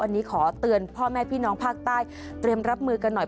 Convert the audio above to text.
วันนี้ขอเตือนพ่อแม่พี่น้องภาคใต้เตรียมรับมือกันหน่อย